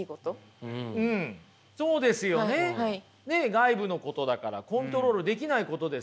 外部のことだからコントロールできないことですよね。